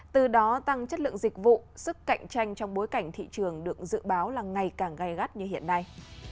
từ đó tăng chất lượng dịch vụ sức cạnh tranh trong bối cảnh thị trường được dự báo là ngày càng gai gắt như hiện nay